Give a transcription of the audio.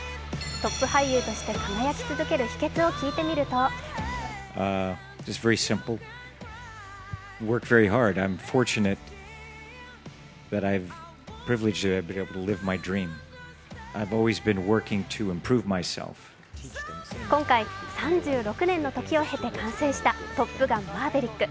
トップ俳優として輝き続ける秘けつを聞いてみると今回、３６年の時を経て完成した「トップガンマーヴェリック」。